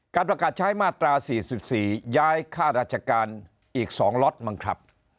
ประกาศใช้มาตรา๔๔ย้ายค่าราชการอีก๒ล็อตมั้งครับ